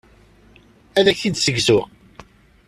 Ad ak-t-id-ssegzuɣ.